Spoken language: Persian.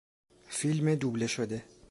فیلم دوبله شده